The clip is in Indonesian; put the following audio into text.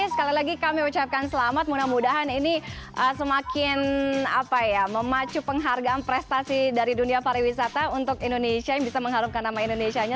sekali lagi kami ucapkan selamat mudah mudahan ini semakin memacu penghargaan prestasi dari dunia pariwisata untuk indonesia yang bisa mengharumkan nama indonesia nya